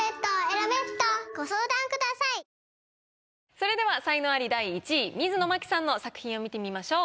それでは才能アリ第１位水野真紀さんの作品を見てみましょう。